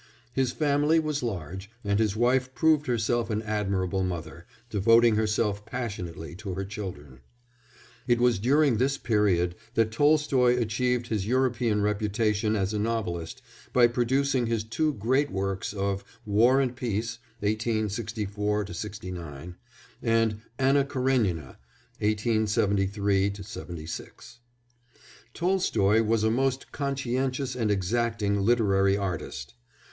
His family was large, and his wife proved herself an admirable mother, devoting herself passionately to her children. It was during this period that Tolstoy achieved his European reputation as a novelist by producing his two great works of War and Peace, 1864 9, and Anna Karénina, 1873 6. Tolstoy was a most conscientious and exacting literary artist.